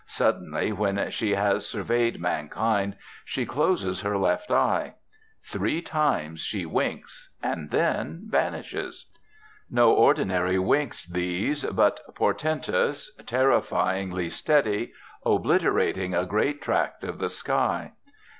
Suddenly, when she has surveyed mankind, she closes her left eye. Three times she winks, and then vanishes. No ordinary winks these, but portentous, terrifyingly steady, obliterating a great tract of the sky.